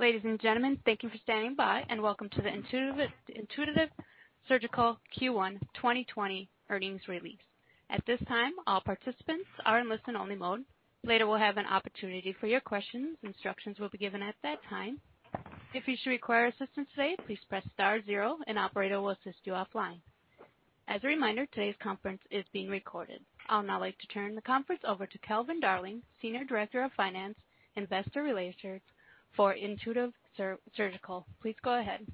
Ladies and gentlemen, thank you for standing by, and welcome to the Intuitive Surgical Q1 2020 earnings release. At this time, all participants are in listen-only mode. Later, we'll have an opportunity for your questions. Instructions will be given at that time. If you should require assistance today, please press star zero and operator will assist you offline. As a reminder, today's conference is being recorded. I'll now like to turn the conference over to Calvin Darling, Senior Director of Finance, Investor Relations for Intuitive Surgical. Please go ahead.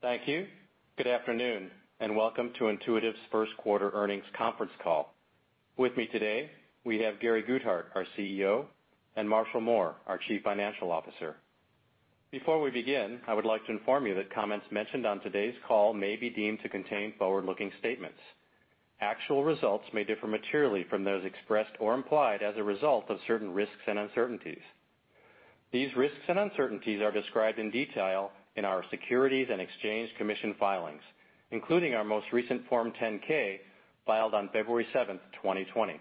Thank you. Good afternoon. Welcome to Intuitive's first quarter earnings conference call. With me today, we have Gary Guthart, our CEO, and Marshall Mohr, our Chief Financial Officer. Before we begin, I would like to inform you that comments mentioned on today's call may be deemed to contain forward-looking statements. Actual results may differ materially from those expressed or implied as a result of certain risks and uncertainties. These risks and uncertainties are described in detail in our Securities and Exchange Commission filings, including our most recent Form 10-K filed on February 7, 2020.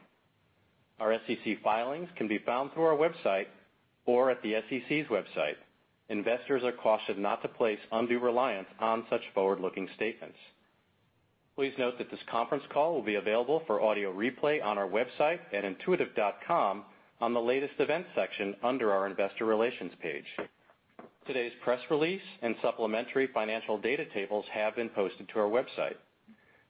Our SEC filings can be found through our website or at the SEC's website. Investors are cautioned not to place undue reliance on such forward-looking statements. Please note that this conference call will be available for audio replay on our website at intuitive.com on the Latest Events section under our Investor Relations page. Today's press release and supplementary financial data tables have been posted to our website.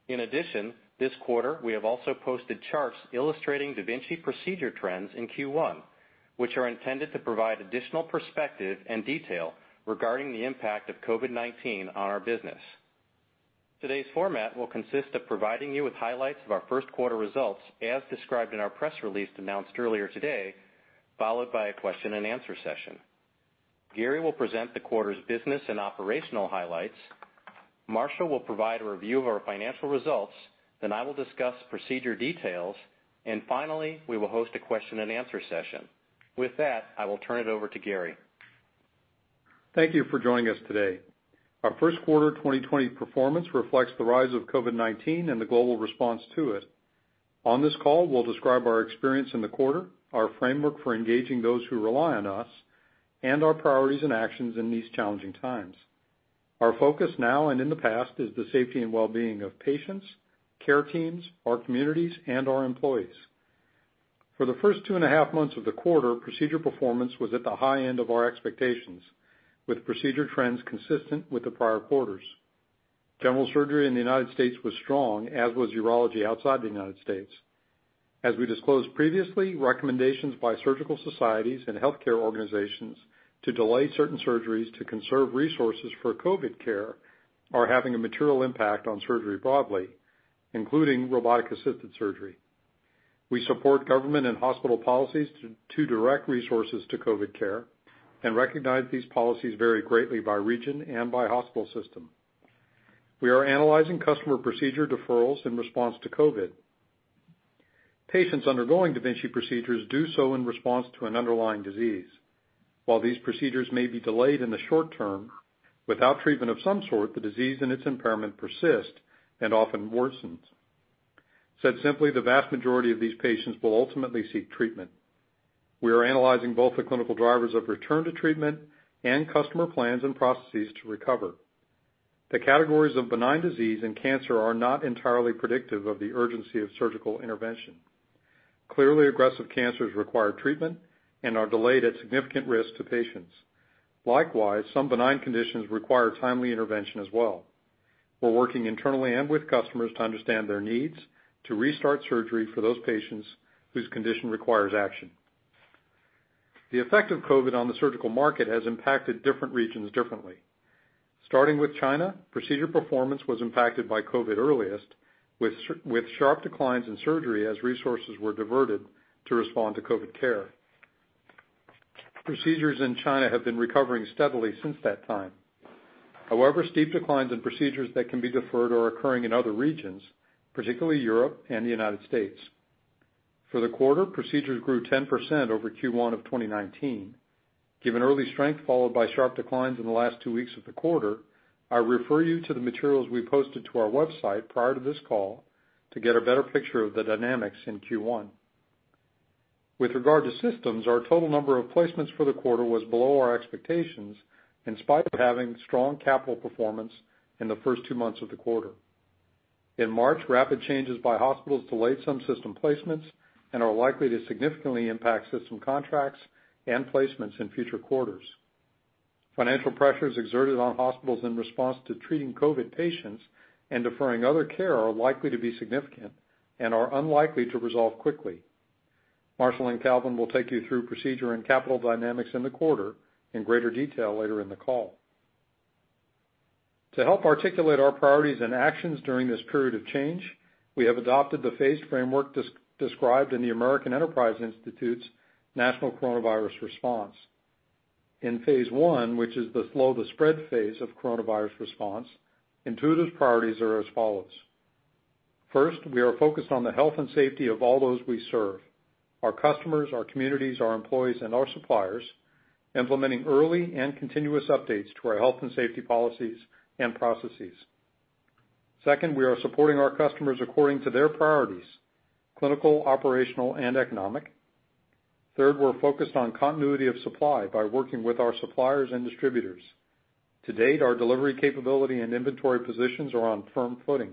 In addition, this quarter, we have also posted charts illustrating da Vinci procedure trends in Q1, which are intended to provide additional perspective and detail regarding the impact of COVID-19 on our business. Today's format will consist of providing you with highlights of our first quarter results as described in our press release announced earlier today, followed by a question and answer session. Gary will present the quarter's business and operational highlights. Marshall will provide a review of our financial results, then I will discuss procedure details, and finally, we will host a question and answer session. With that, I will turn it over to Gary. Thank you for joining us today. Our first quarter 2020 performance reflects the rise of COVID-19 and the global response to it. On this call, we'll describe our experience in the quarter, our framework for engaging those who rely on us, and our priorities and actions in these challenging times. Our focus now and in the past is the safety and wellbeing of patients, care teams, our communities, and our employees. For the first two and a half months of the quarter, procedure performance was at the high end of our expectations, with procedure trends consistent with the prior quarters. General surgery in the United States was strong, as was urology outside the United States. As we disclosed previously, recommendations by surgical societies and healthcare organizations to delay certain surgeries to conserve resources for COVID care are having a material impact on surgery broadly, including robotic-assisted surgery. We support government and hospital policies to direct resources to COVID care and recognize these policies vary greatly by region and by hospital system. We are analyzing customer procedure deferrals in response to COVID. Patients undergoing da Vinci procedures do so in response to an underlying disease. While these procedures may be delayed in the short term, without treatment of some sort, the disease and its impairment persist and often worsens. Said simply, the vast majority of these patients will ultimately seek treatment. We are analyzing both the clinical drivers of return to treatment and customer plans and processes to recover. The categories of benign disease and cancer are not entirely predictive of the urgency of surgical intervention. Clearly, aggressive cancers require treatment and are delayed at significant risk to patients. Likewise, some benign conditions require timely intervention as well. We're working internally and with customers to understand their needs to restart surgery for those patients whose condition requires action. The effect of COVID on the surgical market has impacted different regions differently. Starting with China, procedure performance was impacted by COVID earliest with sharp declines in surgery as resources were diverted to respond to COVID care. Procedures in China have been recovering steadily since that time. However, steep declines in procedures that can be deferred are occurring in other regions, particularly Europe and the United States. For the quarter, procedures grew 10% over Q1 of 2019. Given early strength followed by sharp declines in the last two weeks of the quarter, I refer you to the materials we posted to our website prior to this call to get a better picture of the dynamics in Q1. With regard to systems, our total number of placements for the quarter was below our expectations, in spite of having strong capital performance in the first two months of the quarter. In March, rapid changes by hospitals delayed some system placements and are likely to significantly impact system contracts and placements in future quarters. Financial pressures exerted on hospitals in response to treating COVID patients and deferring other care are likely to be significant and are unlikely to resolve quickly. Marshall and Calvin will take you through procedure and capital dynamics in the quarter in greater detail later in the call. To help articulate our priorities and actions during this period of change, we have adopted the phased framework described in the American Enterprise Institute's national coronavirus response. In phase I, which is the slow the spread phase of coronavirus response, Intuitive's priorities are as follows. First, we are focused on the health and safety of all those we serve, our customers, our communities, our employees, and our suppliers, implementing early and continuous updates to our health and safety policies and processes. Second, we are supporting our customers according to their priorities: clinical, operational, and economic. Third, we're focused on continuity of supply by working with our suppliers and distributors. To date, our delivery capability and inventory positions are on firm footing.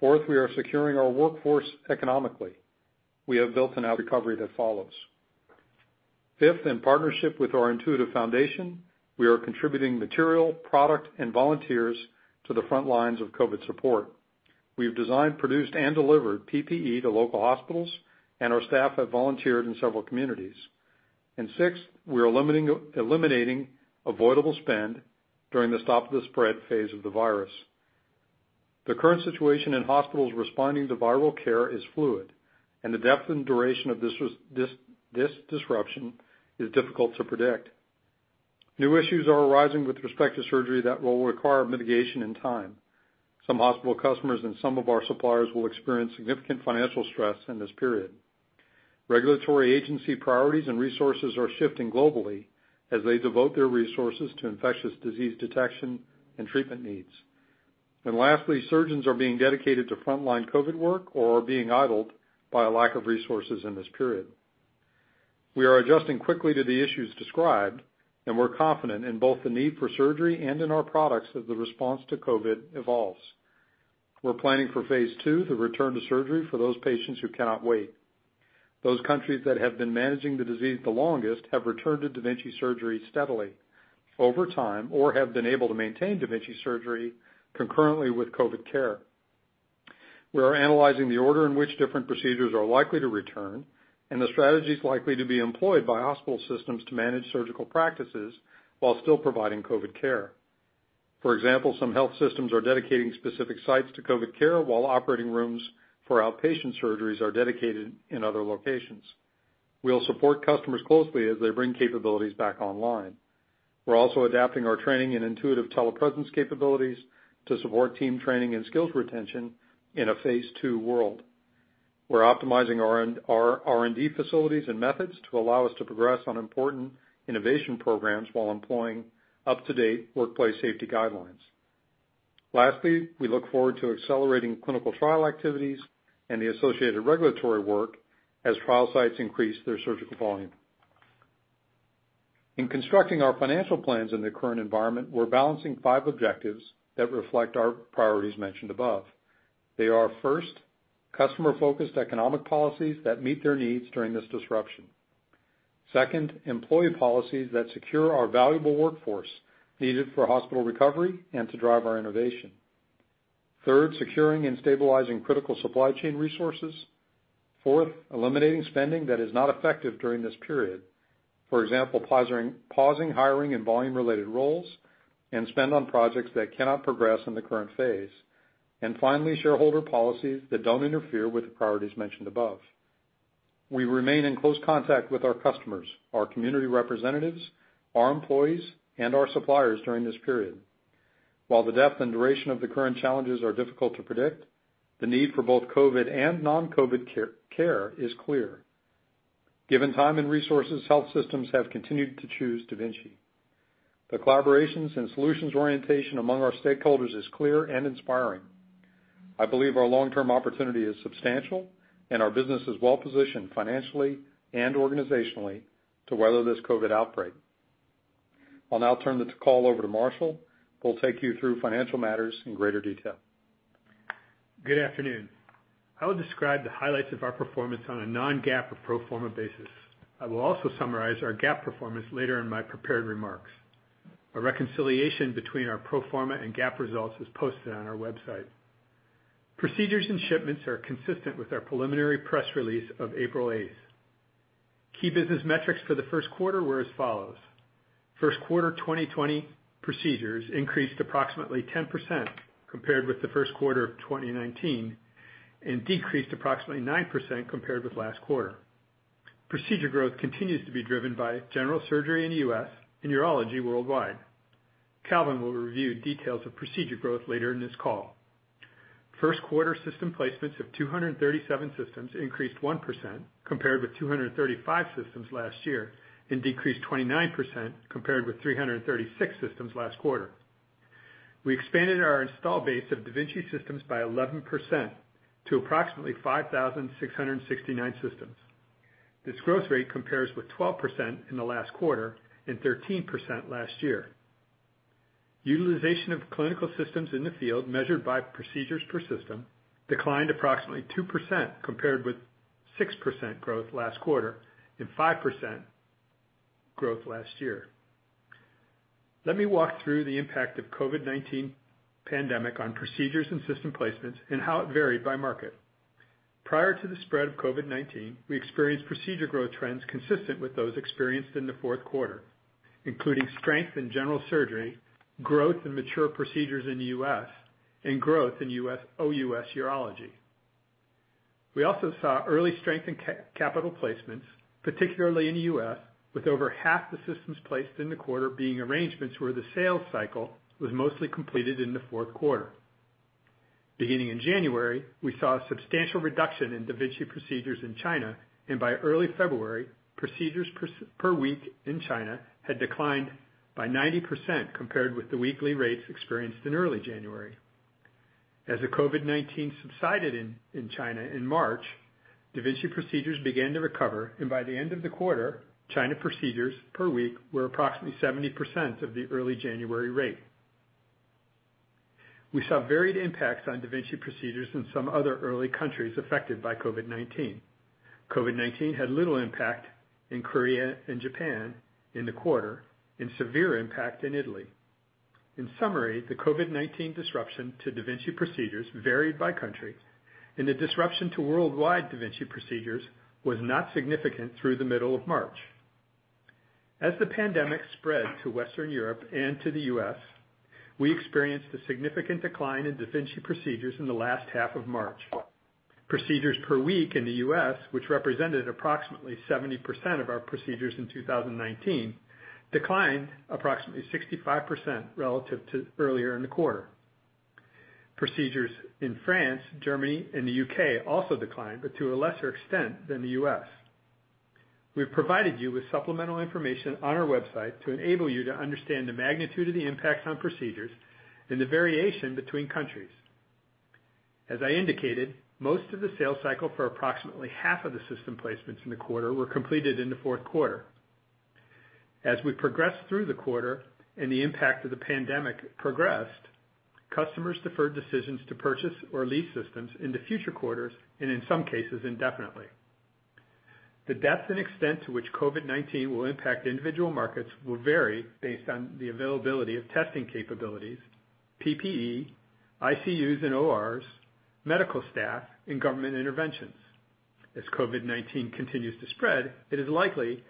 Fourth, we are securing our workforce economically. We have built in our recovery that follows. Fifth, in partnership with our Intuitive Foundation, we are contributing material, product, and volunteers to the front lines of COVID support. We've designed, produced, and delivered PPE to local hospitals, and our staff have volunteered in several communities. Sixth, we are eliminating avoidable spend during the stop-the-spread phase of the virus. The current situation in hospitals responding to viral care is fluid, and the depth and duration of this disruption is difficult to predict. New issues are arising with respect to surgery that will require mitigation and time. Some hospital customers and some of our suppliers will experience significant financial stress in this period. Regulatory agency priorities and resources are shifting globally as they devote their resources to infectious disease detection and treatment needs. Lastly, surgeons are being dedicated to frontline COVID-19 work or are being idled by a lack of resources in this period. We are adjusting quickly to the issues described, and we're confident in both the need for surgery and in our products as the response to COVID-19 evolves. We're planning for phase II, the return to surgery for those patients who cannot wait. Those countries that have been managing the disease the longest have returned to da Vinci surgery steadily over time or have been able to maintain da Vinci surgery concurrently with COVID care. We are analyzing the order in which different procedures are likely to return and the strategies likely to be employed by hospital systems to manage surgical practices while still providing COVID care. For example, some health systems are dedicating specific sites to COVID care while operating rooms for outpatient surgeries are dedicated in other locations. We'll support customers closely as they bring capabilities back online. We're also adapting our training and Intuitive telepresence capabilities to support team training and skills retention in a phase II world. We're optimizing our R&D facilities and methods to allow us to progress on important innovation programs while employing up-to-date workplace safety guidelines. Lastly, we look forward to accelerating clinical trial activities and the associated regulatory work as trial sites increase their surgical volume. In constructing our financial plans in the current environment, we're balancing five objectives that reflect our priorities mentioned above. They are, first, customer-focused economic policies that meet their needs during this disruption. Second, employee policies that secure our valuable workforce needed for hospital recovery and to drive our innovation. Third, securing and stabilizing critical supply chain resources. Fourth, eliminating spending that is not effective during this period. For example, pausing hiring and volume-related roles and spend on projects that cannot progress in the current phase. Finally, shareholder policies that don't interfere with the priorities mentioned above. We remain in close contact with our customers, our community representatives, our employees, and our suppliers during this period. While the depth and duration of the current challenges are difficult to predict, the need for both COVID and non-COVID care is clear. Given time and resources, health systems have continued to choose da Vinci. The collaborations and solutions orientation among our stakeholders is clear and inspiring. I believe our long-term opportunity is substantial and our business is well-positioned financially and organizationally to weather this COVID outbreak. I'll now turn the call over to Marshall, who will take you through financial matters in greater detail. Good afternoon. I will describe the highlights of our performance on a non-GAAP or pro forma basis. I will also summarize our GAAP performance later in my prepared remarks. A reconciliation between our pro forma and GAAP results is posted on our website. Procedures and shipments are consistent with our preliminary press release of April 8th. Key business metrics for the first quarter were as follows. First quarter 2020 procedures increased approximately 10% compared with the first quarter of 2019 and decreased approximately 9% compared with last quarter. Procedure growth continues to be driven by general surgery in the U.S. and urology worldwide. Calvin will review details of procedure growth later in this call. First quarter system placements of 237 systems increased 1% compared with 235 systems last year and decreased 29% compared with 336 systems last quarter. We expanded our install base of da Vinci systems by 11% to approximately 5,669 systems. This growth rate compares with 12% in the last quarter and 13% last year. Utilization of clinical systems in the field measured by procedures per system declined approximately 2% compared with 6% growth last quarter and 5% growth last year. Let me walk through the impact of COVID-19 pandemic on procedures and system placements and how it varied by market. Prior to the spread of COVID-19, we experienced procedure growth trends consistent with those experienced in the fourth quarter, including strength in general surgery, growth in mature procedures in the U.S., and growth in OUS urology. We also saw early strength in capital placements, particularly in the U.S., with over half the systems placed in the quarter being arrangements where the sales cycle was mostly completed in the fourth quarter. Beginning in January, we saw a substantial reduction in da Vinci procedures in China, and by early February, procedures per week in China had declined by 90% compared with the weekly rates experienced in early January. As the COVID-19 subsided in China in March, da Vinci procedures began to recover, and by the end of the quarter, China procedures per week were approximately 70% of the early January rate. We saw varied impacts on da Vinci procedures in some other early countries affected by COVID-19. COVID-19 had little impact in Korea and Japan in the quarter and severe impact in Italy. In summary, the COVID-19 disruption to da Vinci procedures varied by country, and the disruption to worldwide da Vinci procedures was not significant through the middle of March. As the pandemic spread to Western Europe and to the U.S., we experienced a significant decline in da Vinci procedures in the last half of March. Procedures per week in the U.S., which represented approximately 70% of our procedures in 2019, declined approximately 65% relative to earlier in the quarter. Procedures in France, Germany, and the U.K. also declined, but to a lesser extent than the U.S. We've provided you with supplemental information on our website to enable you to understand the magnitude of the impact on procedures and the variation between countries. As I indicated, most of the sales cycle for approximately half of the system placements in the quarter were completed in the fourth quarter. As we progressed through the quarter and the impact of the pandemic progressed, customers deferred decisions to purchase or lease systems into future quarters, and in some cases, indefinitely. The depth and extent to which COVID-19 will impact individual markets will vary based on the availability of testing capabilities, PPE, ICUs, and ORs, medical staff, and government interventions. In addition, we would expect that system placements will follow the decline in procedures. As COVID-19 continues to spread, it is likely that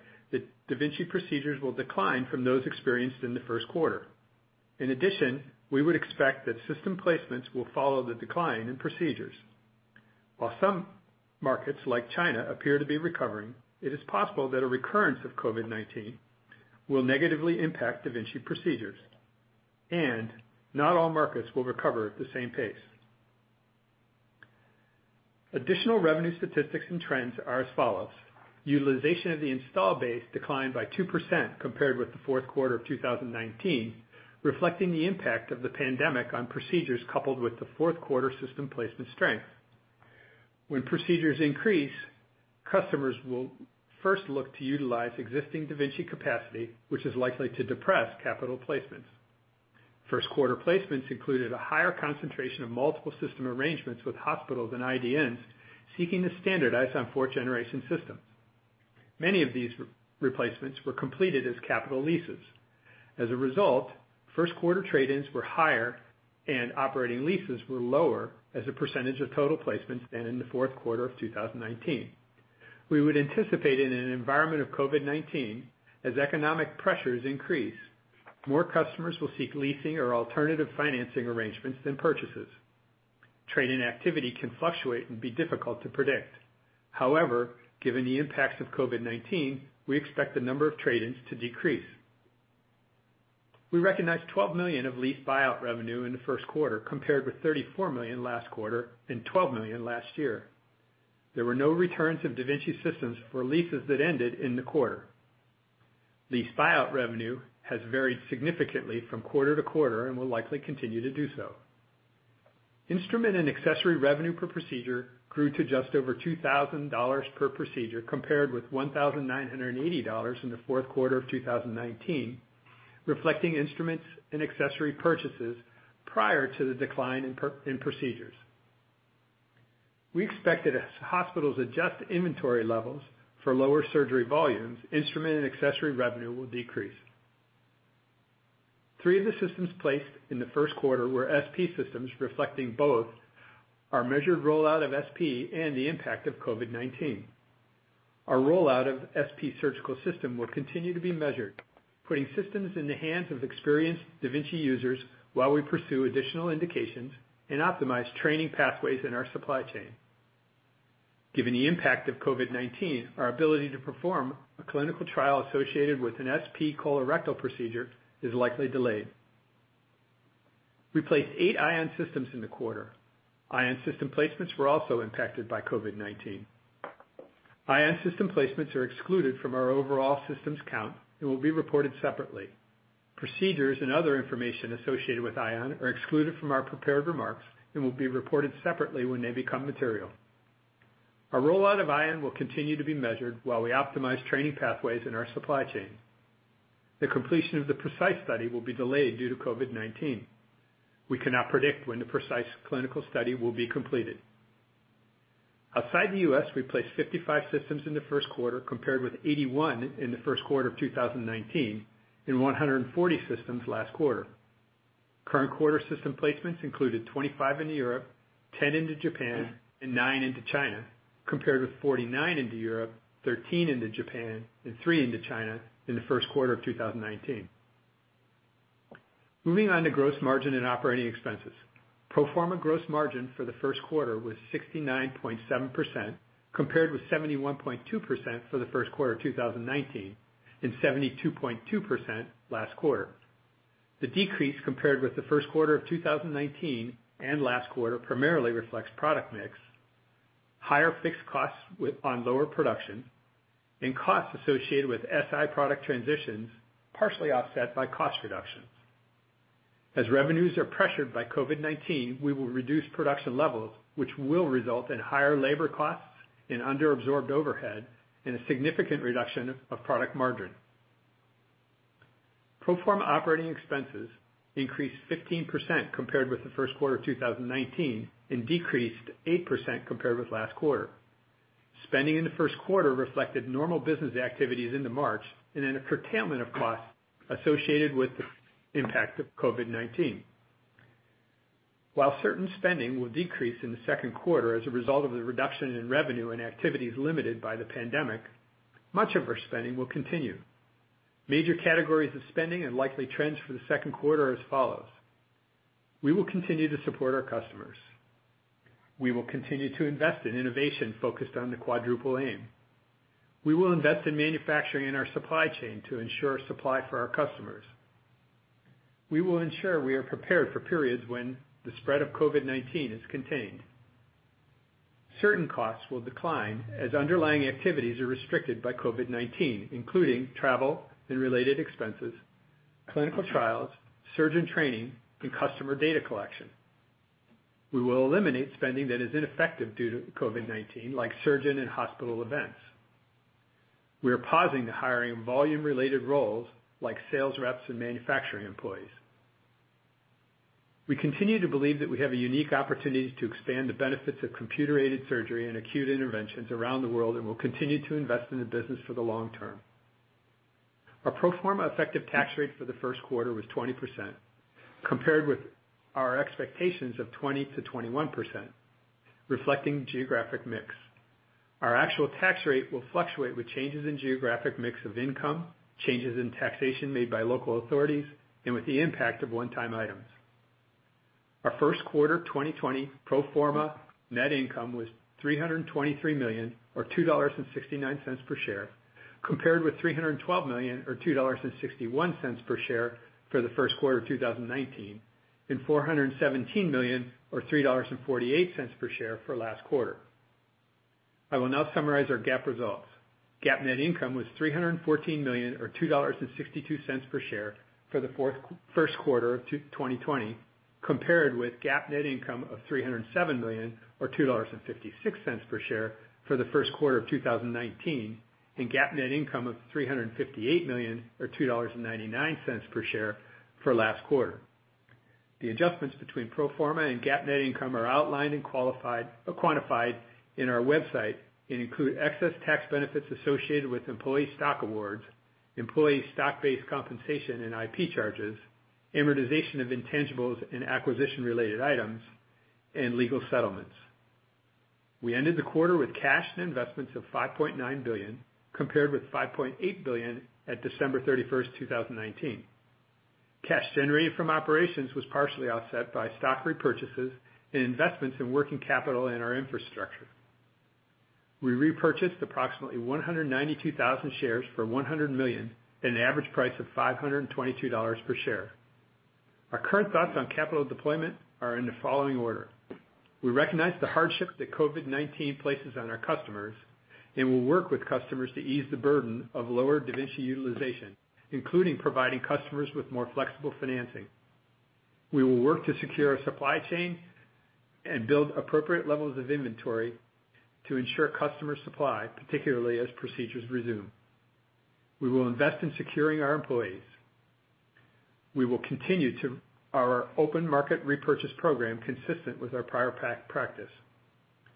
da Vinci procedures will decline from those experienced in the first quarter. While some markets, like China, appear to be recovering, it is possible that a recurrence of COVID-19 will negatively impact da Vinci procedures, and not all markets will recover at the same pace. Additional revenue statistics and trends are as follows. Utilization of the install base declined by 2% compared with the fourth quarter of 2019, reflecting the impact of the pandemic on procedures coupled with the fourth quarter system placement strength. When procedures increase, customers will first look to utilize existing da Vinci capacity, which is likely to depress capital placements. First quarter placements included a higher concentration of multiple system arrangements with hospitals and IDNs seeking to standardize on fourth generation systems. Many of these replacements were completed as capital leases. As a result, first quarter trade-ins were higher and operating leases were lower as a % of total placements than in the fourth quarter of 2019. We would anticipate in an environment of COVID-19, as economic pressures increase, more customers will seek leasing or alternative financing arrangements than purchases. Trade-in activity can fluctuate and be difficult to predict. However, given the impacts of COVID-19, we expect the number of trade-ins to decrease. We recognized $12 million of lease buyout revenue in the first quarter, compared with $34 million last quarter and $12 million last year. There were no returns of da Vinci systems for leases that ended in the quarter. Lease buyout revenue has varied significantly from quarter to quarter and will likely continue to do so. Instrument and accessory revenue per procedure grew to just over $2,000 per procedure compared with $1,980 in the fourth quarter of 2019, reflecting instruments and accessory purchases prior to the decline in procedures. We expect that as hospitals adjust inventory levels for lower surgery volumes, instrument and accessory revenue will decrease. Three of the systems placed in the first quarter were SP systems, reflecting both our measured rollout of SP and the impact of COVID-19. Our rollout of SP surgical system will continue to be measured, putting systems in the hands of experienced da Vinci users while we pursue additional indications and optimize training pathways in our supply chain. Given the impact of COVID-19, our ability to perform a clinical trial associated with an SP colorectal procedure is likely delayed. We placed eight Ion systems in the quarter. Ion system placements were also impacted by COVID-19. Ion system placements are excluded from our overall systems count and will be reported separately. Procedures and other information associated with Ion are excluded from our prepared remarks and will be reported separately when they become material. Our rollout of Ion will continue to be measured while we optimize training pathways in our supply chain. The completion of the PRECISE study will be delayed due to COVID-19. We cannot predict when the PRECISE clinical study will be completed. Outside the U.S., we placed 55 systems in the first quarter, compared with 81 in the first quarter of 2019 and 140 systems last quarter. Current quarter system placements included 25 into Europe, 10 into Japan, and nine into China, compared with 49 into Europe, 13 into Japan, and three into China in the first quarter of 2019. Moving on to gross margin and operating expenses. Pro forma gross margin for the first quarter was 69.7%, compared with 71.2% for the first quarter of 2019. 72.2% last quarter. The decrease compared with the first quarter of 2019 and last quarter primarily reflects product mix, higher fixed costs on lower production, and costs associated with Si product transitions partially offset by cost reductions. As revenues are pressured by COVID-19, we will reduce production levels, which will result in higher labor costs and under-absorbed overhead and a significant reduction of product margin. Pro forma operating expenses increased 15% compared with the first quarter of 2019 and decreased 8% compared with last quarter. Spending in the first quarter reflected normal business activities into March and then a curtailment of costs associated with the impact of COVID-19. While certain spending will decrease in the second quarter as a result of the reduction in revenue and activities limited by the pandemic, much of our spending will continue. Major categories of spending and likely trends for the second quarter are as follows. We will continue to support our customers. We will continue to invest in innovation focused on the Quadruple Aim. We will invest in manufacturing in our supply chain to ensure supply for our customers. We will ensure we are prepared for periods when the spread of COVID-19 is contained. Certain costs will decline as underlying activities are restricted by COVID-19, including travel and related expenses, clinical trials, surgeon training, and customer data collection. We will eliminate spending that is ineffective due to COVID-19, like surgeon and hospital events. We are pausing the hiring volume-related roles like sales reps and manufacturing employees. We continue to believe that we have a unique opportunity to expand the benefits of computer-aided surgery and acute interventions around the world, and will continue to invest in the business for the long term. Our pro forma effective tax rate for the first quarter was 20%, compared with our expectations of 20%-21%, reflecting geographic mix. Our actual tax rate will fluctuate with changes in geographic mix of income, changes in taxation made by local authorities, and with the impact of one-time items. Our first quarter 2020 pro forma net income was $323 million, or $2.69 per share, compared with $312 million or $2.61 per share for the first quarter of 2019 and $417 million or $3.48 per share for last quarter. I will now summarize our GAAP results. GAAP net income was $314 million or $2.62 per share for the first quarter of 2020, compared with GAAP net income of $307 million or $2.56 per share for the first quarter of 2019, and GAAP net income of $358 million or $2.99 per share for last quarter. The adjustments between pro forma and GAAP net income are outlined and quantified on our website and include excess tax benefits associated with employee stock awards, employee stock-based compensation and IP charges, amortization of intangibles and acquisition-related items, and legal settlements. We ended the quarter with cash and investments of $5.9 billion, compared with $5.8 billion at December 31st, 2019. Cash generated from operations was partially offset by stock repurchases and investments in working capital in our infrastructure. We repurchased approximately 192,000 shares for $100 million at an average price of $522 per share. Our current thoughts on capital deployment are in the following order. We recognize the hardship that COVID-19 places on our customers and will work with customers to ease the burden of lower da Vinci utilization, including providing customers with more flexible financing. We will work to secure our supply chain and build appropriate levels of inventory to ensure customer supply, particularly as procedures resume. We will invest in securing our employees. We will continue our open market repurchase program consistent with our prior practice.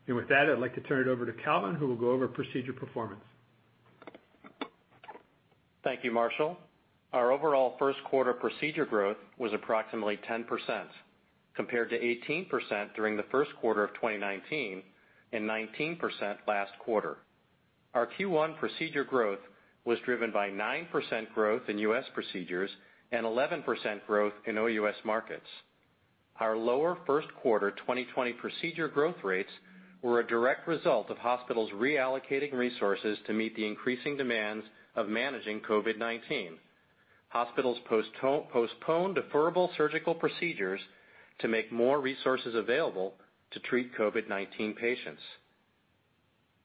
With that, I'd like to turn it over to Calvin, who will go over procedure performance. Thank you, Marshall. Our overall first quarter procedure growth was approximately 10% compared to 18% during the first quarter of 2019 and 19% last quarter. Our Q1 procedure growth was driven by 9% growth in U.S. procedures and 11% growth in OUS markets. Our lower first quarter 2020 procedure growth rates were a direct result of hospitals reallocating resources to meet the increasing demands of managing COVID-19. Hospitals postponed deferrable surgical procedures to make more resources available to treat COVID-19 patients.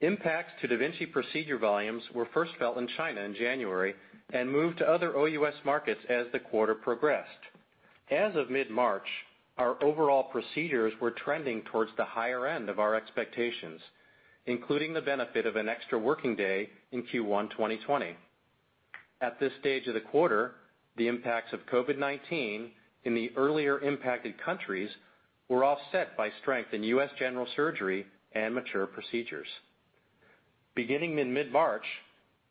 Impacts to da Vinci procedure volumes were first felt in China in January and moved to other OUS markets as the quarter progressed. As of mid-March, our overall procedures were trending towards the higher end of our expectations, including the benefit of an extra working day in Q1 2020. At this stage of the quarter, the impacts of COVID-19 in the earlier impacted countries were offset by strength in U.S. general surgery and mature procedures. Beginning in mid-March,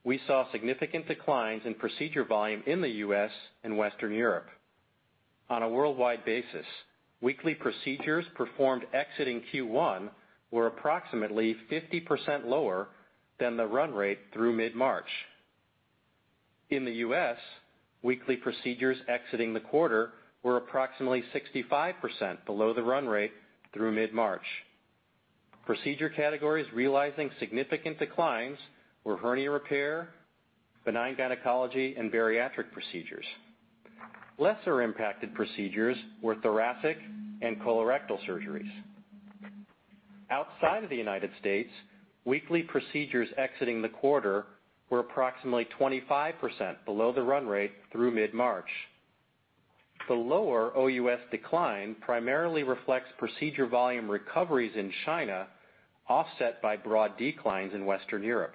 we saw significant declines in procedure volume in the U.S. and Western Europe. On a worldwide basis, weekly procedures performed exiting Q1 were approximately 50% lower than the run rate through mid-March. In the U.S., weekly procedures exiting the quarter were approximately 65% below the run rate through mid-March. Procedure categories realizing significant declines were hernia repair, benign gynecology, and bariatric procedures. Lesser impacted procedures were thoracic and colorectal surgeries. Outside of the U.S., weekly procedures exiting the quarter were approximately 25% below the run rate through mid-March. The lower OUS decline primarily reflects procedure volume recoveries in China, offset by broad declines in Western Europe.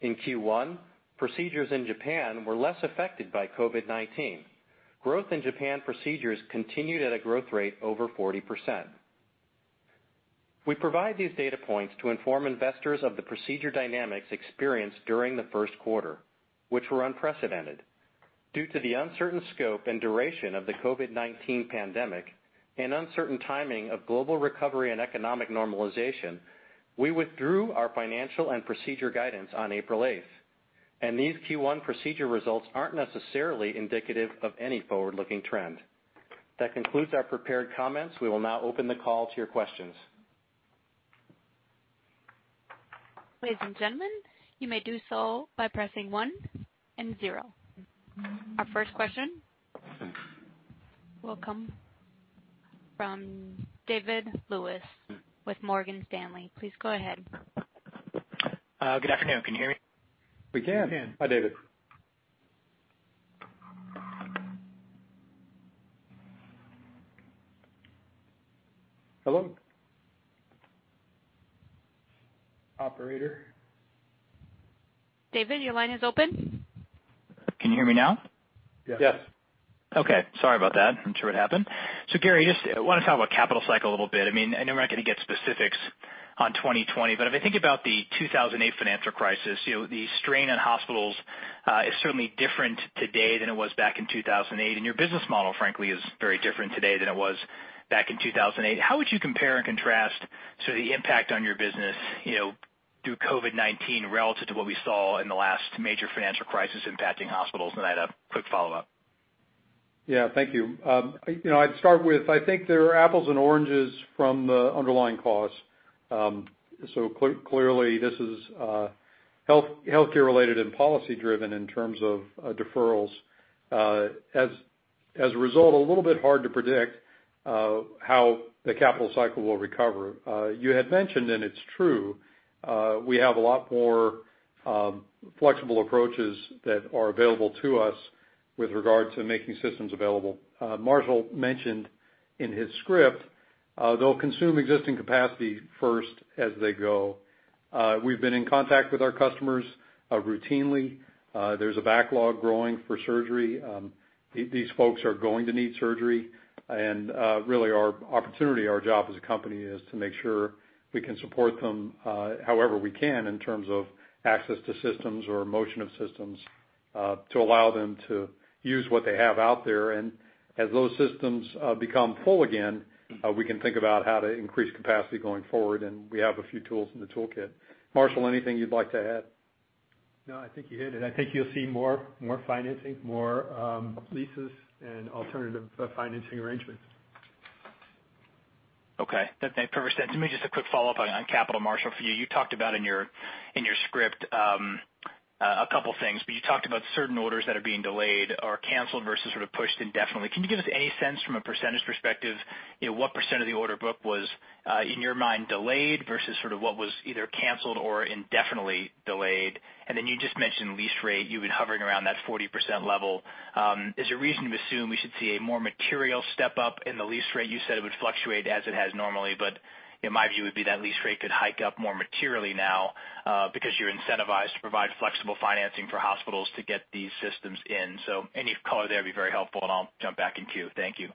In Q1, procedures in Japan were less affected by COVID-19. Growth in Japan procedures continued at a growth rate over 40%. We provide these data points to inform investors of the procedure dynamics experienced during the first quarter, which were unprecedented. Due to the uncertain scope and duration of the COVID-19 pandemic and uncertain timing of global recovery and economic normalization, we withdrew our financial and procedure guidance on April 8th, and these Q1 procedure results aren't necessarily indicative of any forward-looking trend. That concludes our prepared comments. We will now open the call to your questions. Ladies and gentlemen, you may do so by pressing one and zero. Our first question will come from David Lewis with Morgan Stanley. Please go ahead. Good afternoon. Can you hear me? We can. Hi, David. Hello? Operator? David, your line is open. Can you hear me now? Yes. Okay. Sorry about that. I'm not sure what happened. Gary, I just want to talk about capital cycle a little bit. I know we're not going to get specifics on 2020, but if I think about the 2008 financial crisis, the strain on hospitals is certainly different today than it was back in 2008, and your business model, frankly, is very different today than it was back in 2008. How would you compare and contrast the impact on your business through COVID-19 relative to what we saw in the last major financial crisis impacting hospitals? I had a quick follow-up. Thank you. I'd start with, I think they're apples and oranges from the underlying cause. Clearly, this is healthcare related and policy driven in terms of deferrals. As a result, a little bit hard to predict how the capital cycle will recover. You had mentioned, and it's true, we have a lot more flexible approaches that are available to us with regard to making systems available. Marshall mentioned in his script, they'll consume existing capacity first as they go. We've been in contact with our customers routinely. There's a backlog growing for surgery. These folks are going to need surgery, and really our opportunity, our job as a company is to make sure we can support them however we can in terms of access to systems or motion of systems, to allow them to use what they have out there. As those systems become full again, we can think about how to increase capacity going forward, and we have a few tools in the toolkit. Marshall, anything you'd like to add? No, I think you hit it. I think you'll see more financing, more leases, and alternative financing arrangements. Okay. That makes perfect sense. To me, just a quick follow-up on capital. Marshall, for you talked about in your script a couple things. You talked about certain orders that are being delayed or canceled versus sort of pushed indefinitely. Can you give us any sense from a percentage perspective, what percent of the order book was, in your mind, delayed versus what was either canceled or indefinitely delayed? You just mentioned lease rate. You've been hovering around that 40% level. Is there reason to assume we should see a more material step up in the lease rate? You said it would fluctuate as it has normally. My view would be that lease rate could hike up more materially now because you're incentivized to provide flexible financing for hospitals to get these systems in. Any color there would be very helpful, and I'll jump back in queue. Thank you.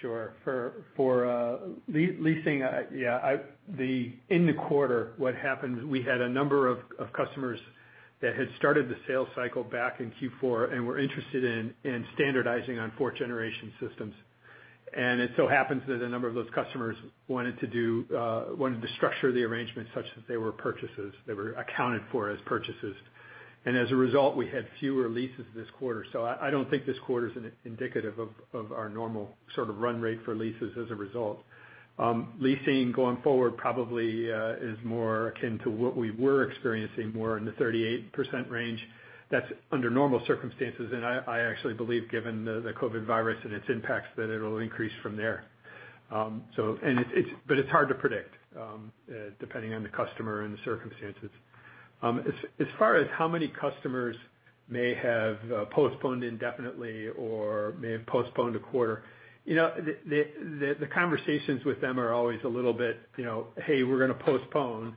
Sure. For leasing, in the quarter, what happened is we had a number of customers that had started the sales cycle back in Q4 and were interested in standardizing on fourth generation systems. It so happens that a number of those customers wanted to structure the arrangement such that they were purchases, they were accounted for as purchases. As a result, we had fewer leases this quarter. I don't think this quarter's indicative of our normal run rate for leases as a result. Leasing going forward probably is more akin to what we were experiencing, more in the 38% range. That's under normal circumstances, and I actually believe given the COVID virus and its impacts, that it'll increase from there. It's hard to predict, depending on the customer and the circumstances. As far as how many customers may have postponed indefinitely or may have postponed a quarter, the conversations with them are always a little bit, "Hey, we're going to postpone."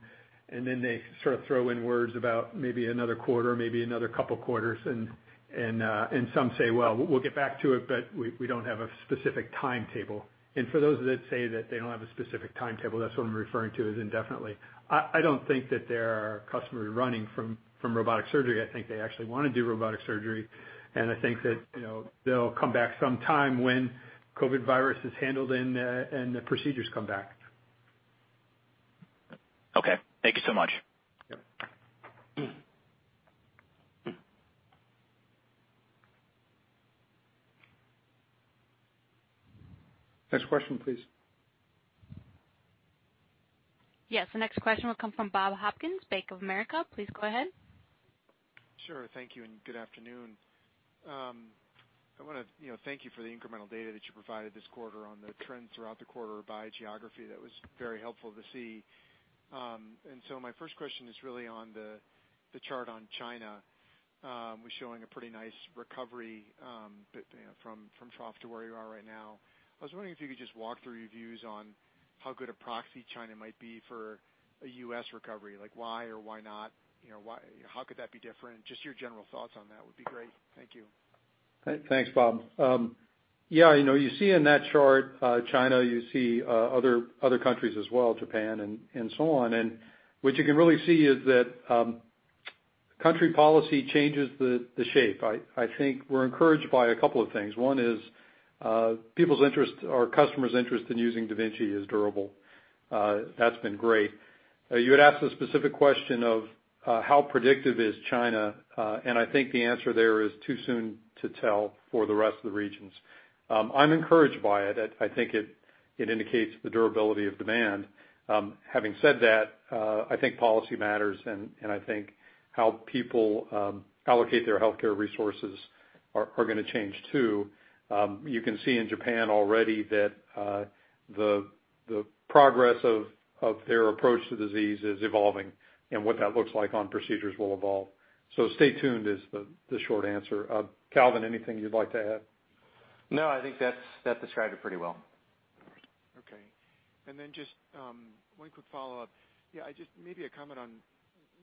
They sort of throw in words about maybe another quarter, maybe another couple quarters, and some say, "Well, we'll get back to it, but we don't have a specific timetable." For those that say that they don't have a specific timetable, that's what I'm referring to as indefinitely. I don't think that there are customers running from robotic surgery. I think they actually want to do robotic surgery, and I think that they'll come back some time when COVID-19 is handled and the procedures come back. Okay. Thank you so much. Yep. Next question, please. Yes. The next question will come from Bob Hopkins, Bank of America. Please go ahead. Sure. Thank you, good afternoon. I want to thank you for the incremental data that you provided this quarter on the trends throughout the quarter by geography. That was very helpful to see. My first question is really on the chart on China, was showing a pretty nice recovery from trough to where you are right now. I was wondering if you could just walk through your views on how good a proxy China might be for a U.S. recovery. Why or why not? How could that be different? Just your general thoughts on that would be great. Thank you. Thanks, Bob. Yeah, you see in that chart, China, you see other countries as well, Japan and so on. What you can really see is that country policy changes the shape. I think we're encouraged by a couple of things. One is people's interest or customers' interest in using da Vinci is durable. That's been great. You had asked the specific question of how predictive is China, and I think the answer there is too soon to tell for the rest of the regions. I'm encouraged by it. I think it indicates the durability of demand. Having said that, I think policy matters, and I think how people allocate their healthcare resources are going to change, too. You can see in Japan already that the progress of their approach to the disease is evolving, and what that looks like on procedures will evolve. Stay tuned is the short answer. Calvin, anything you'd like to add? No, I think that described it pretty well. Okay. Just one quick follow-up. Just maybe a comment on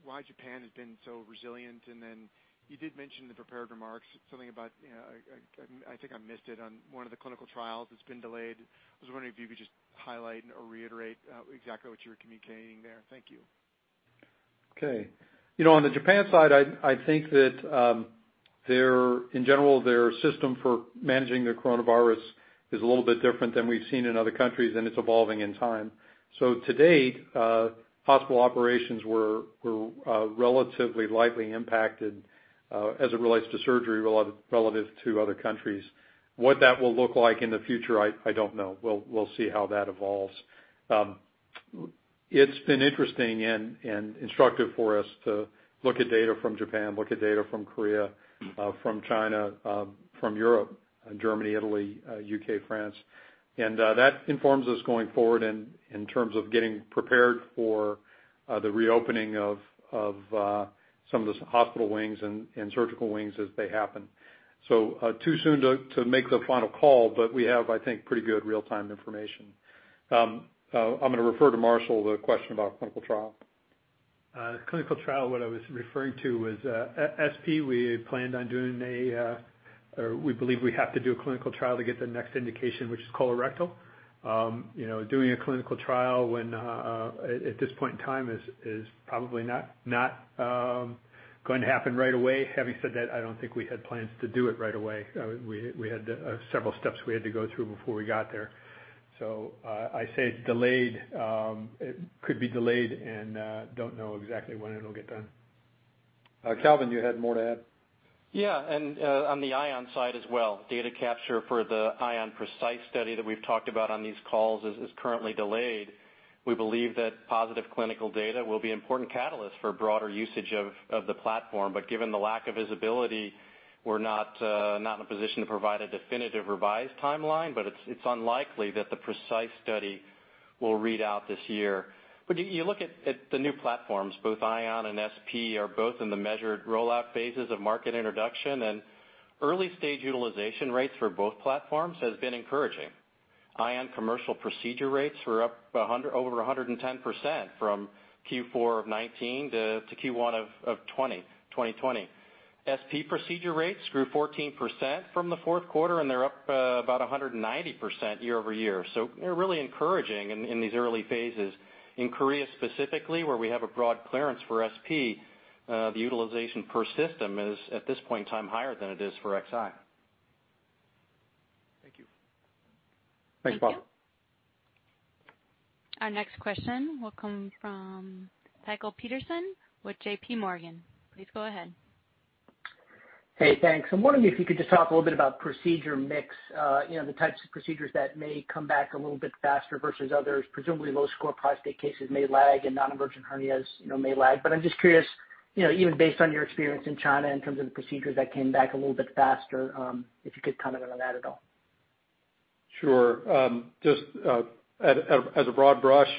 why Japan has been so resilient, and then you did mention in the prepared remarks something about, I think I missed it, on one of the clinical trials that's been delayed. I was wondering if you could just highlight or reiterate exactly what you were communicating there. Thank you. Okay. On the Japan side, I think that, in general, their system for managing their coronavirus is a little bit different than we've seen in other countries, and it's evolving in time. To date, hospital operations were relatively lightly impacted, as it relates to surgery, relative to other countries. What that will look like in the future, I don't know. We'll see how that evolves. It's been interesting and instructive for us to look at data from Japan, look at data from Korea, from China, from Europe, and Germany, Italy, U.K., France. That informs us going forward in terms of getting prepared for the reopening of some of the hospital wings and surgical wings as they happen. Too soon to make the final call, but we have, I think, pretty good real-time information. I'm going to refer to Marshall the question about clinical trial. Clinical trial, what I was referring to was SP. We planned on doing or we believe we have to do a clinical trial to get the next indication, which is colorectal. Doing a clinical trial when at this point in time is probably not going to happen right away. Having said that, I don't think we had plans to do it right away. We had several steps we had to go through before we got there. I say delayed. It could be delayed and don't know exactly when it'll get done. Calvin, you had more to add? Yeah. On the Ion side as well, data capture for the Ion PRECISE study that we've talked about on these calls is currently delayed. We believe that positive clinical data will be important catalyst for broader usage of the platform. Given the lack of visibility, we're not in a position to provide a definitive revised timeline. It's unlikely that the PRECISE study will read out this year. You look at the new platforms, both Ion and SP are both in the measured rollout phases of market introduction, and early-stage utilization rates for both platforms has been encouraging. Ion commercial procedure rates were up over 110% from Q4 of 2019 to Q1 of 2020. SP procedure rates grew 14% from the fourth quarter, and they're up about 190% year-over-year. They're really encouraging in these early phases. In Korea specifically, where we have a broad clearance for SP, the utilization per system is, at this point in time, higher than it is for Xi. Thank you. Thanks, Bob. Thank you. Our next question will come from Michael Peterson with JPMorgan. Please go ahead. Hey, thanks. I'm wondering if you could just talk a little bit about procedure mix, the types of procedures that may come back a little bit faster versus others. Presumably low-score prostate cases may lag and non-emergent hernias may lag. I'm just curious, even based on your experience in China, in terms of the procedures that came back a little bit faster, if you could comment on that at all. Sure. Just as a broad brush,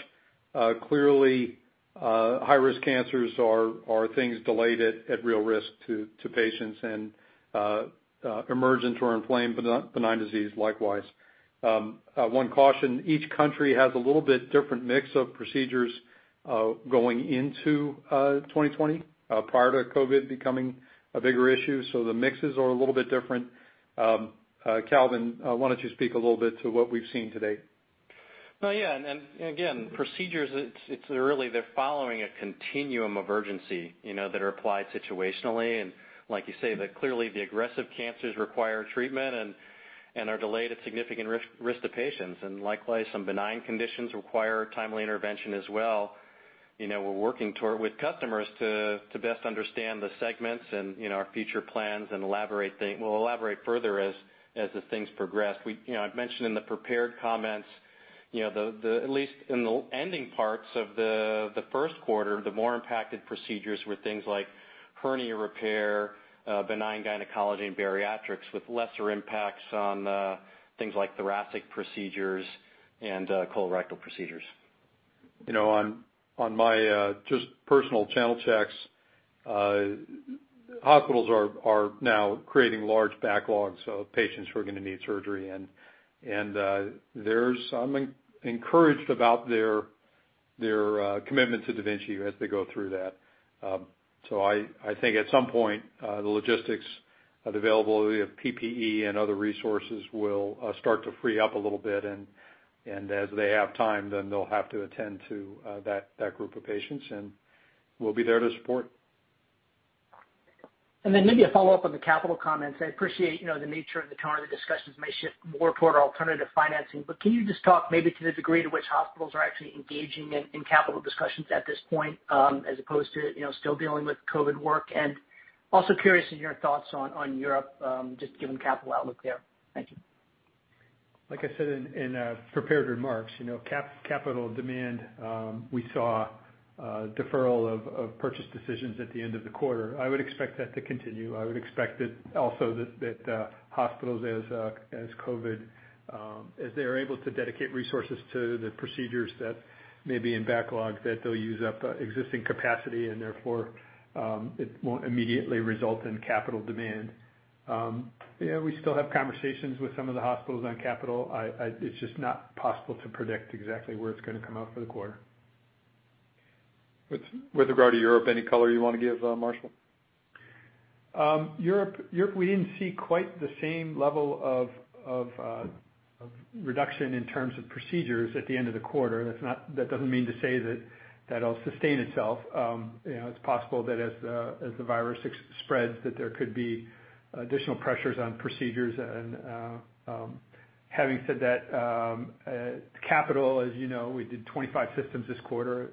clearly, high-risk cancers are things delayed at real risk to patients and emergent or inflamed benign disease likewise. One caution, each country has a little bit different mix of procedures going into 2020 prior to COVID becoming a bigger issue. The mixes are a little bit different. Calvin, why don't you speak a little bit to what we've seen to date? Yeah. Again, procedures, it's really they're following a continuum of urgency that are applied situationally. Like you say, that clearly the aggressive cancers require treatment and are delayed at significant risk to patients. Likewise, some benign conditions require timely intervention as well. We're working with customers to best understand the segments and our future plans, and we'll elaborate further as the things progress. I've mentioned in the prepared comments, at least in the ending parts of the first quarter, the more impacted procedures were things like hernia repair, benign gynecology, and bariatrics with lesser impacts on things like thoracic procedures and colorectal procedures. On my just personal channel checks, hospitals are now creating large backlogs of patients who are going to need surgery, and I'm encouraged about their commitment to da Vinci as they go through that. I think at some point, the logistics of availability of PPE and other resources will start to free up a little bit, and as they have time, then they'll have to attend to that group of patients, and we'll be there to support. Then maybe a follow-up on the capital comments. I appreciate the nature and the tone of the discussions may shift more toward alternative financing, but can you just talk maybe to the degree to which hospitals are actually engaging in capital discussions at this point, as opposed to still dealing with COVID-19 work? Also curious in your thoughts on Europe, just given capital outlook there. Thank you. Like I said in prepared remarks, capital demand, we saw deferral of purchase decisions at the end of the quarter. I would expect that to continue. I would expect also that hospitals, as they are able to dedicate resources to the procedures that may be in backlog, that they'll use up existing capacity and therefore it won't immediately result in capital demand. We still have conversations with some of the hospitals on capital. It's just not possible to predict exactly where it's going to come out for the quarter. With regard to Europe, any color you want to give, Marshall? Europe, we didn't see quite the same level of reduction in terms of procedures at the end of the quarter. That doesn't mean to say that will sustain itself. It's possible that as the virus spreads, that there could be additional pressures on procedures. Having said that, capital, as you know, we did 25 systems this quarter,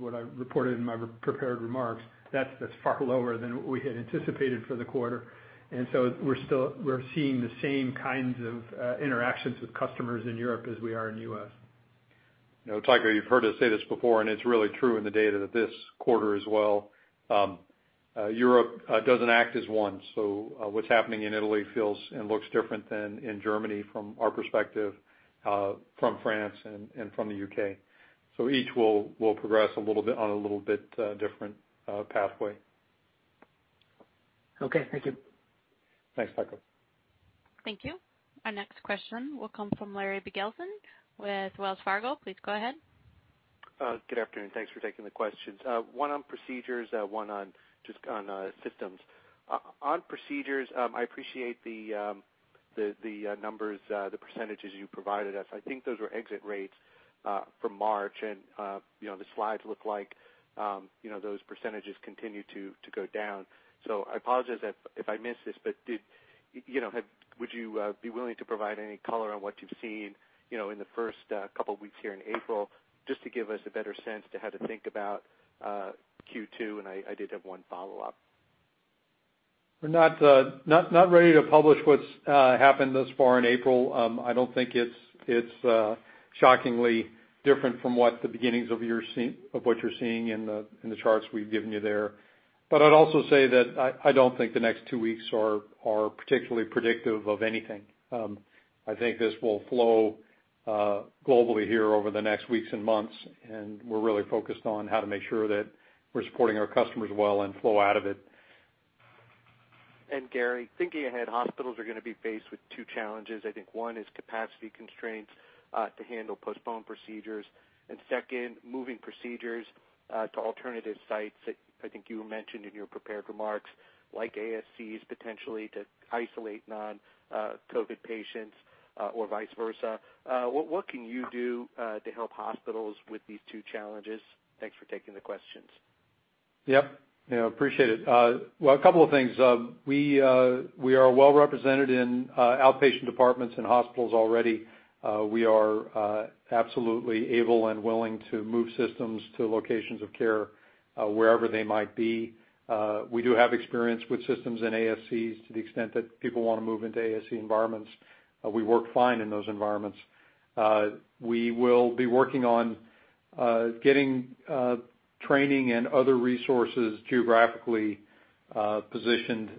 what I reported in my prepared remarks. That's far lower than what we had anticipated for the quarter. We're seeing the same kinds of interactions with customers in Europe as we are in the U.S. Michael, you've heard us say this before, it's really true in the data that this quarter as well. Europe doesn't act as one. What's happening in Italy feels and looks different than in Germany from our perspective, from France, and from the U.K. Each will progress on a little bit different pathway. Okay. Thank you. Thanks, Michael. Thank you. Our next question will come from Larry Biegelsen with Wells Fargo. Please go ahead. Good afternoon. Thanks for taking the questions. One on procedures, one just on systems. On procedures, I appreciate the numbers, the percentages you provided us. I think those were exit rates from March, and the slides look like those percentages continue to go down. I apologize if I missed this, but would you be willing to provide any color on what you've seen in the first couple of weeks here in April, just to give us a better sense to how to think about Q2? I did have one follow-up. We're not ready to publish what's happened thus far in April. I don't think it's shockingly different from what the beginnings of what you're seeing in the charts we've given you there. I'd also say that I don't think the next two weeks are particularly predictive of anything. I think this will flow globally here over the next weeks and months, and we're really focused on how to make sure that we're supporting our customers well and flow out of it. Gary, thinking ahead, hospitals are going to be faced with two challenges. I think one is capacity constraints to handle postponed procedures, and second, moving procedures to alternative sites that I think you mentioned in your prepared remarks, like ASCs, potentially to isolate non-COVID patients or vice versa. What can you do to help hospitals with these two challenges? Thanks for taking the questions. Yep. Appreciate it. Well, a couple of things. We are well represented in outpatient departments and hospitals already. We are absolutely able and willing to move systems to locations of care wherever they might be. We do have experience with systems in ASCs to the extent that people want to move into ASC environments. We work fine in those environments. We will be working on getting training and other resources geographically positioned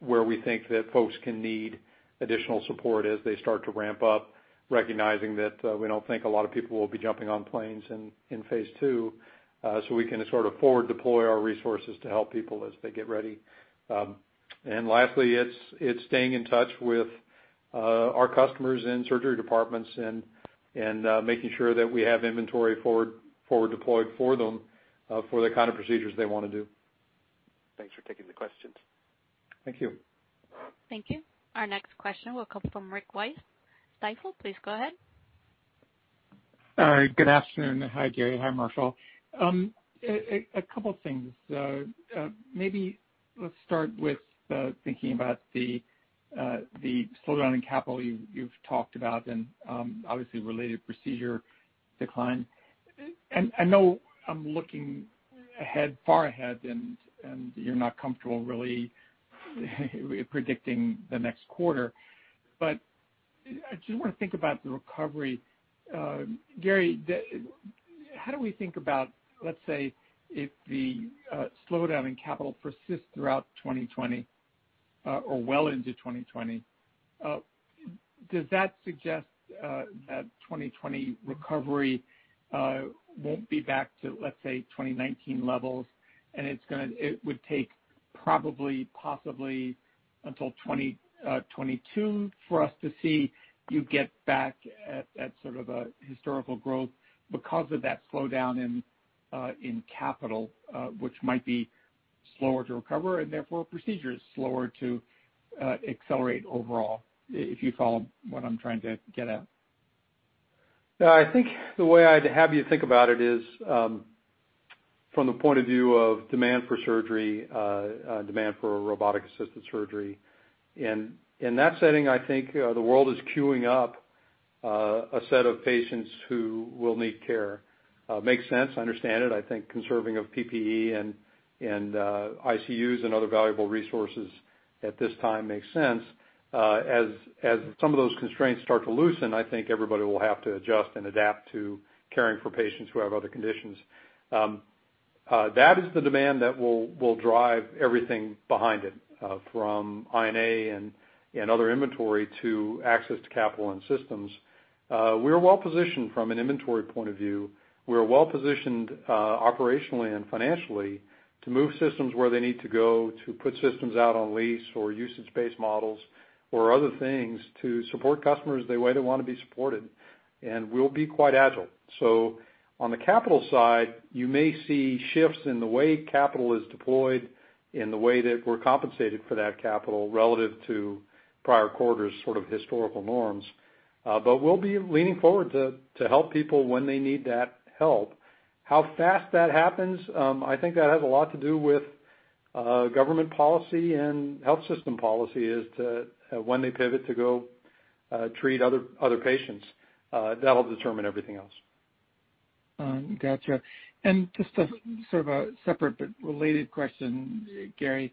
where we think that folks can need additional support as they start to ramp up, recognizing that we don't think a lot of people will be jumping on planes in phase II. We can sort of forward deploy our resources to help people as they get ready. Lastly, it's staying in touch with our customers in surgery departments and making sure that we have inventory forward deployed for them for the kind of procedures they want to do. Thanks for taking the questions. Thank you. Thank you. Our next question will come from Rick Wise, Stifel. Please go ahead. Good afternoon. Hi, Gary. Hi, Marshall. A couple things. Maybe let's start with thinking about the slowdown in capital you've talked about and obviously related procedure decline. I know I'm looking far ahead, and you're not comfortable really predicting the next quarter, but I just want to think about the recovery. Gary, how do we think about, let's say, if the slowdown in capital persists throughout 2020 or well into 2020, does that suggest that 2020 recovery won't be back to, let's say, 2019 levels, and it would take probably possibly until 2022 for us to see you get back at sort of a historical growth because of that slowdown in capital which might be slower to recover and therefore procedures slower to accelerate overall, if you follow what I'm trying to get at? I think the way I'd have you think about it is from the point of view of demand for surgery, demand for robotic-assisted surgery. In that setting, I think the world is queuing up a set of patients who will need care. Makes sense. I understand it. I think conserving of PPE and ICUs and other valuable resources at this time makes sense. As some of those constraints start to loosen, I think everybody will have to adjust and adapt to caring for patients who have other conditions. That is the demand that will drive everything behind it from I&A and other inventory to access to capital and systems. We're well-positioned from an inventory point of view. We're well-positioned operationally and financially to move systems where they need to go, to put systems out on lease or usage-based models or other things to support customers the way they want to be supported, and we'll be quite agile. On the capital side, you may see shifts in the way capital is deployed, in the way that we're compensated for that capital relative to prior quarters' sort of historical norms. We'll be leaning forward to help people when they need that help. How fast that happens, I think that has a lot to do with government policy and health system policy as to when they pivot to go treat other patients. That'll determine everything else. Got you. Just sort of a separate but related question, Gary.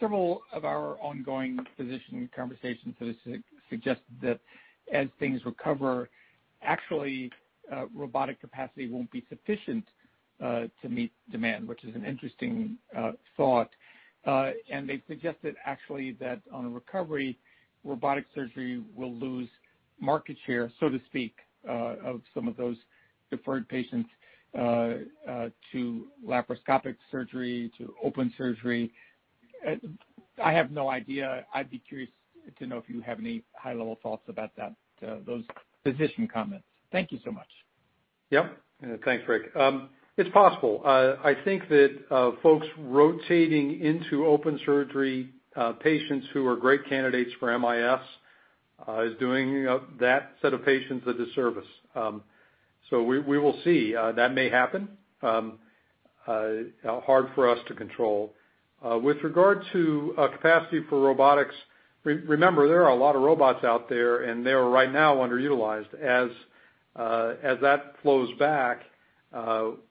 Several of our ongoing physician conversations suggested that as things recover, actually robotic capacity won't be sufficient to meet demand, which is an interesting thought. They suggested actually that on a recovery, robotic surgery will lose market share, so to speak, of some of those deferred patients to laparoscopic surgery, to open surgery. I have no idea. I'd be curious to know if you have any high-level thoughts about those physician comments. Thank you so much. Yep. Thanks, Rick. It's possible. I think that folks rotating into open surgery, patients who are great candidates for MIS, is doing that set of patients a disservice. We will see. That may happen. Hard for us to control. With regard to capacity for robotics, remember, there are a lot of robots out there, and they are right now underutilized. As that flows back,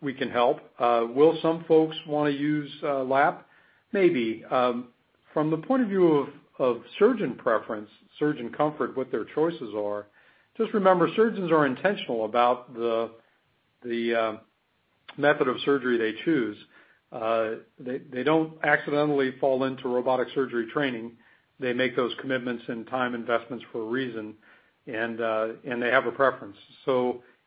we can help. Will some folks want to use lap? Maybe. From the point of view of surgeon preference, surgeon comfort, what their choices are, just remember, surgeons are intentional about the method of surgery they choose. They don't accidentally fall into robotic surgery training. They make those commitments and time investments for a reason, and they have a preference.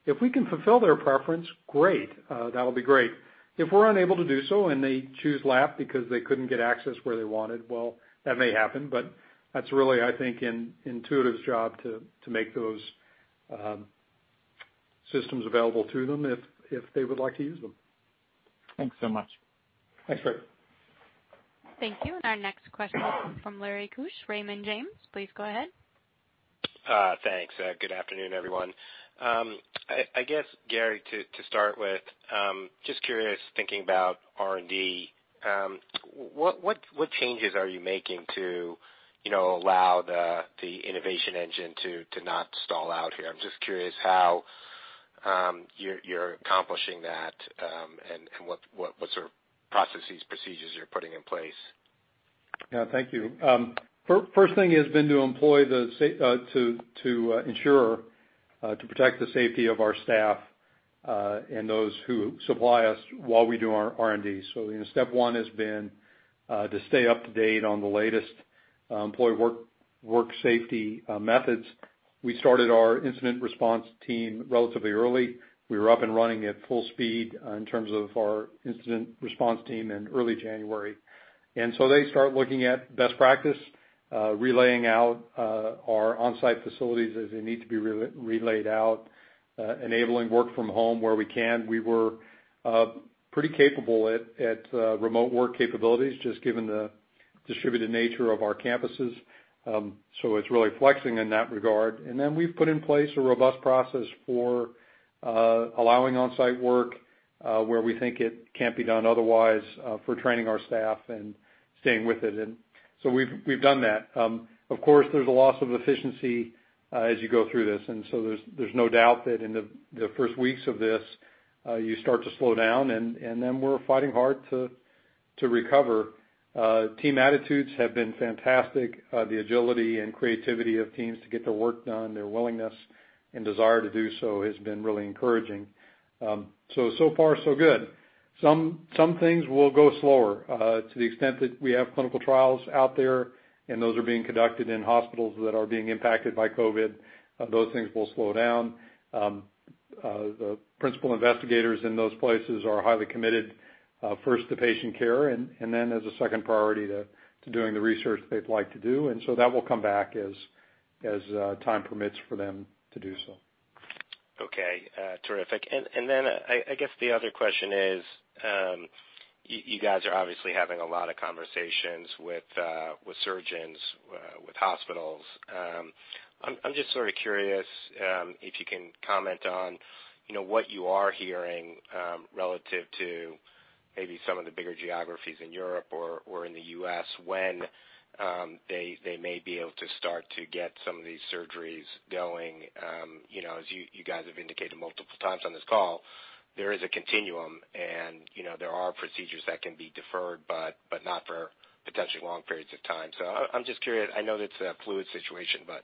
If we can fulfill their preference, great. That'll be great. If we're unable to do so and they choose lap because they couldn't get access where they wanted, well, that may happen, but that's really, I think, Intuitive's job to make those systems available to them if they would like to use them. Thanks so much. Thanks, Rick. Thank you. Our next question will come from Lawrence Keusch, Raymond James. Please go ahead. Thanks. Good afternoon, everyone. I guess, Gary, to start with, just curious, thinking about R&D, what changes are you making to allow the innovation engine to not stall out here? I'm just curious how you're accomplishing that and what sort of processes, procedures you're putting in place. Yeah, thank you. First thing has been to ensure to protect the safety of our staff and those who supply us while we do our R&D. Step one has been to stay up to date on the latest employee work safety methods. We started our incident response team relatively early. We were up and running at full speed in terms of our incident response team in early January. They start looking at best practice, relaying out our on-site facilities as they need to be relayed out, enabling work from home where we can. We were pretty capable at remote work capabilities, just given the distributed nature of our campuses. It's really flexing in that regard. We've put in place a robust process for allowing on-site work where we think it can't be done otherwise for training our staff and staying with it. We've done that. Of course, there's a loss of efficiency as you go through this. There's no doubt that in the first weeks of this, you start to slow down, and then we're fighting hard to recover. Team attitudes have been fantastic. The agility and creativity of teams to get their work done, their willingness and desire to do so has been really encouraging. So far so good. Some things will go slower, to the extent that we have clinical trials out there, and those are being conducted in hospitals that are being impacted by COVID-19. Those things will slow down. The principal investigators in those places are highly committed first to patient care, and then as a second priority to doing the research they'd like to do. That will come back as time permits for them to do so. Okay. Terrific. I guess the other question is, you guys are obviously having a lot of conversations with surgeons, with hospitals. I'm just sort of curious if you can comment on what you are hearing relative to maybe some of the bigger geographies in Europe or in the U.S. when they may be able to start to get some of these surgeries going. As you guys have indicated multiple times on this call, there is a continuum, and there are procedures that can be deferred but not for potentially long periods of time. I'm just curious, I know that it's a fluid situation, but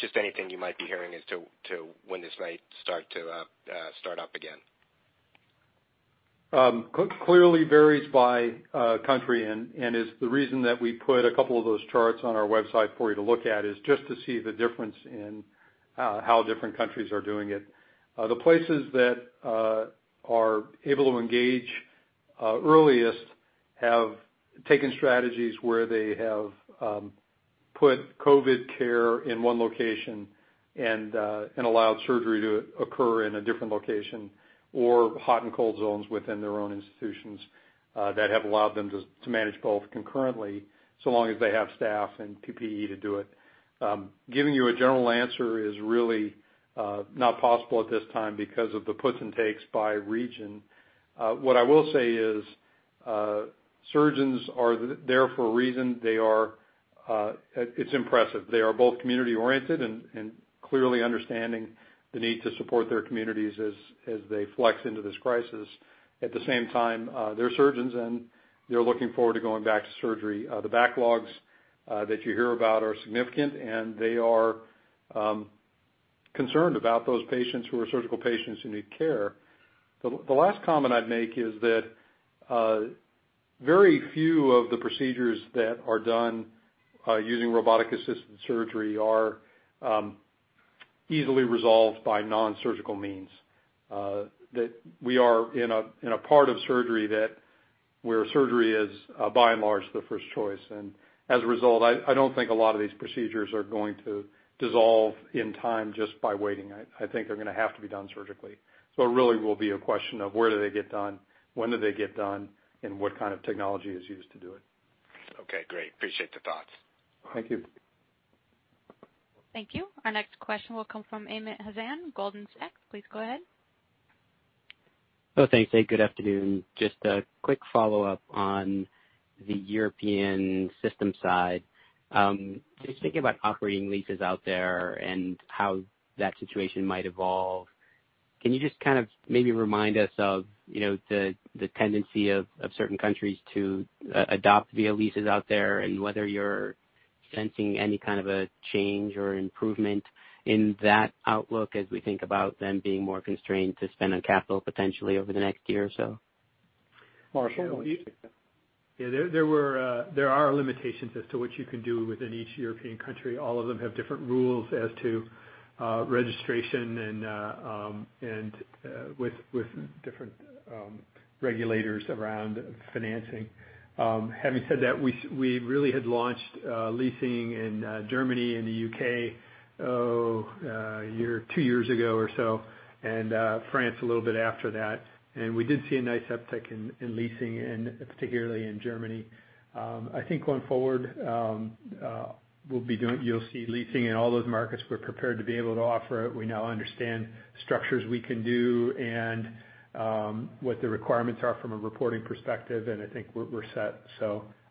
just anything you might be hearing as to when this might start up again. Clearly varies by country and is the reason that we put a couple of those charts on our website for you to look at, is just to see the difference in how different countries are doing it. The places that are able to engage earliest have taken strategies where they have put COVID care in one location and allowed surgery to occur in a different location, or hot and cold zones within their own institutions that have allowed them to manage both concurrently, so long as they have staff and PPE to do it. Giving you a general answer is really not possible at this time because of the puts and takes by region. What I will say is, surgeons are there for a reason. It's impressive. They are both community oriented and clearly understanding the need to support their communities as they flex into this crisis. At the same time, they're surgeons, and they're looking forward to going back to surgery. The backlogs that you hear about are significant, and they are concerned about those patients who are surgical patients who need care. The last comment I'd make is that very few of the procedures that are done using robotic-assisted surgery are easily resolved by nonsurgical means. We are in a part of surgery where surgery is, by and large, the first choice. As a result, I don't think a lot of these procedures are going to dissolve in time just by waiting. I think they're going to have to be done surgically. It really will be a question of where do they get done, when do they get done, and what kind of technology is used to do it. Okay, great. Appreciate the thoughts. Thank you. Thank you. Our next question will come from Amit Hazan, Goldman Sachs. Please go ahead. Oh, thanks. Good afternoon. Just a quick follow-up on the European system side. Just thinking about operating leases out there and how that situation might evolve. Can you just kind of maybe remind us of the tendency of certain countries to adopt via leases out there, and whether you're sensing any kind of a change or improvement in that outlook as we think about them being more constrained to spend on capital potentially over the next year or so? Marshall, why don't you take that? Yeah. There are limitations as to what you can do within each European country. All of them have different rules as to registration and with different regulators around financing. Having said that, we really had launched leasing in Germany and the U.K. a year, two years ago or so, and France a little bit after that, and we did see a nice uptick in leasing, and particularly in Germany. I think going forward, you'll see leasing in all those markets. We're prepared to be able to offer it. We now understand structures we can do and what the requirements are from a reporting perspective, and I think we're set.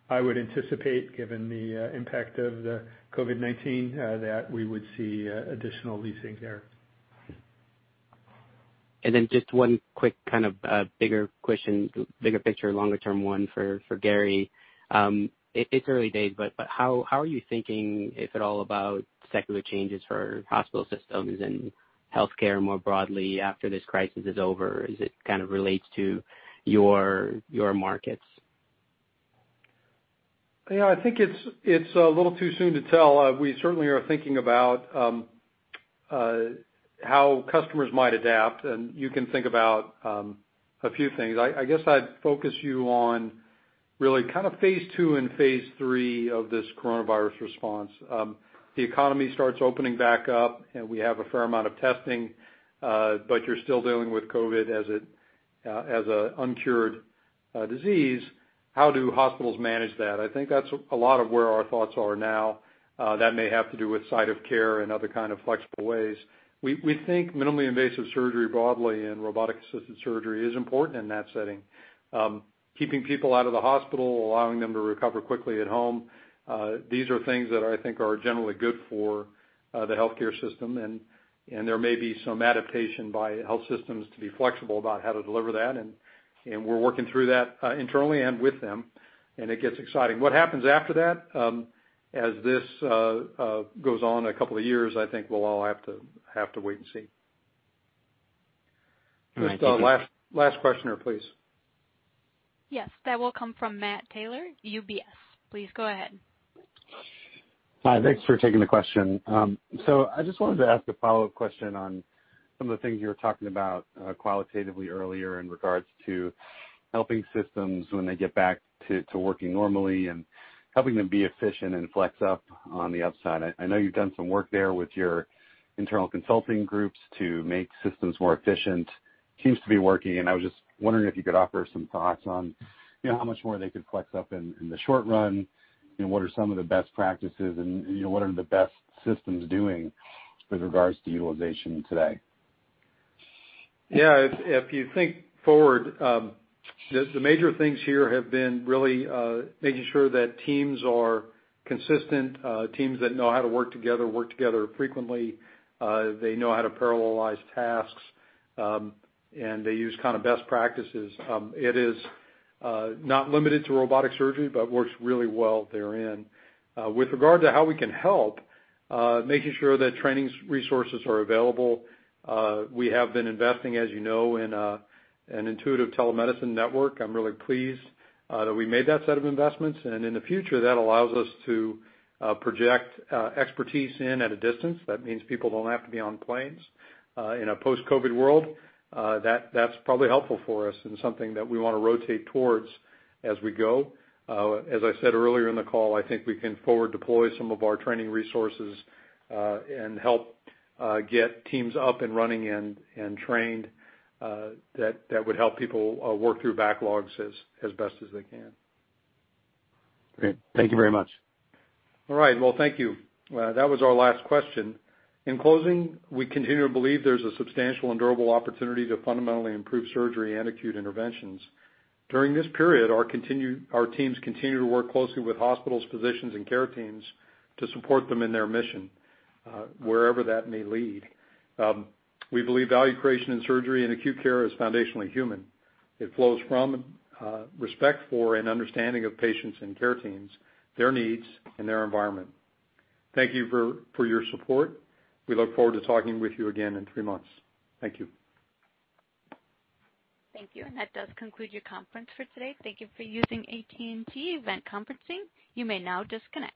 I would anticipate, given the impact of the COVID-19, that we would see additional leasing there. Just one quick kind of bigger question, bigger picture, longer term one for Gary. It's early days, but how are you thinking, if at all, about secular changes for hospital systems and healthcare more broadly after this crisis is over as it kind of relates to your markets? Yeah, I think it's a little too soon to tell. We certainly are thinking about how customers might adapt, and you can think about a few things. I guess I'd focus you on really kind of phase II and phase III of this coronavirus response. The economy starts opening back up, and we have a fair amount of testing, but you're still dealing with COVID as an uncured disease, how do hospitals manage that? I think that's a lot of where our thoughts are now. That may have to do with site of care and other kind of flexible ways. We think minimally invasive surgery broadly and robotic-assisted surgery is important in that setting. Keeping people out of the hospital, allowing them to recover quickly at home, these are things that I think are generally good for the healthcare system. There may be some adaptation by health systems to be flexible about how to deliver that. We're working through that internally and with them. It gets exciting. What happens after that? As this goes on a couple of years, I think we'll all have to wait and see. Thank you. Last question, please. Yes. That will come from Matt Taylor, UBS. Please go ahead. Hi. Thanks for taking the question. I just wanted to ask a follow-up question on some of the things you were talking about qualitatively earlier in regards to helping systems when they get back to working normally and helping them be efficient and flex up on the upside. I know you've done some work there with your internal consulting groups to make systems more efficient. Seems to be working, and I was just wondering if you could offer some thoughts on how much more they could flex up in the short run, and what are some of the best practices, and what are the best systems doing with regards to utilization today? Yeah. If you think forward, the major things here have been really making sure that teams are consistent, teams that know how to work together, work together frequently. They know how to parallelize tasks, and they use best practices. It is not limited to robotic surgery but works really well therein. With regard to how we can help, making sure that training resources are available. We have been investing, as you know, in an Intuitive telemedicine network. I'm really pleased that we made that set of investments, and in the future, that allows us to project expertise in at a distance. That means people don't have to be on planes. In a post-COVID world, that's probably helpful for us and something that we want to rotate towards as we go. As I said earlier in the call, I think we can forward deploy some of our training resources and help get teams up and running and trained. That would help people work through backlogs as best as they can. Great. Thank you very much. All right. Well, thank you. That was our last question. In closing, we continue to believe there's a substantial and durable opportunity to fundamentally improve surgery and acute interventions. During this period, our teams continue to work closely with hospitals, physicians, and care teams to support them in their mission wherever that may lead. We believe value creation in surgery and acute care is foundationally human. It flows from respect for and understanding of patients and care teams, their needs, and their environment. Thank you for your support. We look forward to talking with you again in three months. Thank you. Thank you. That does conclude your conference for today. Thank you for using AT&T event conferencing. You may now disconnect.